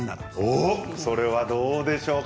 それではどうでしょうか。